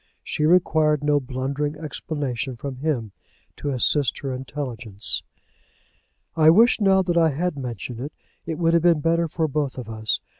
She required no blundering explanation from him to assist her intelligence. I wish now that I had mentioned it. It would have been better for both of us.